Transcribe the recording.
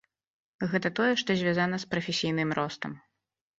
Гэта тое, што звязана з прафесійным ростам.